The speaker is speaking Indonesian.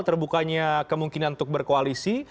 terbukanya kemungkinan untuk berkoalisi